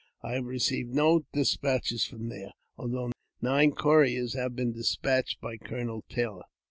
I have received no despatches from there, although nine couriers have been despatched by Colonel Taylor."